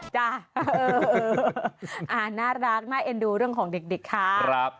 น่ารักน่าเอ็นดูเรื่องของเด็กค่ะ